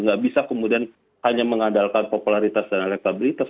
nggak bisa kemudian hanya mengandalkan popularitas dan elektabilitas